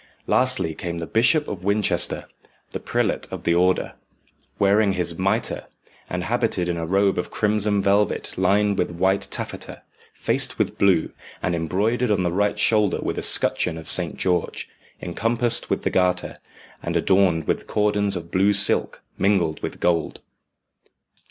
Lastly came the Bishop of Winchester, the prelate of the Order, wearing his mitre, and habited in a robe of crimson velvet lined with white taffeta, faced with blue, and embroidered on the right shoulder with a scutcheon of Saint George, encompassed with the Garter, and adorned with cordons of blue silk mingled with gold.